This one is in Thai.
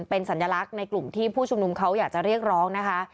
เป็นสัญลักษณ์ในกลุ่มที่ผู้ชุมนุมเขาอยากจะเรียกร้องนะคะ